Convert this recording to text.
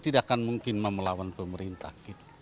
tidak akan mungkin memelawan pemerintah